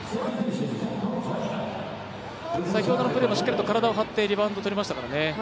先ほどのプレーも、しっかりと体を張ってリバウンドとれましたからね。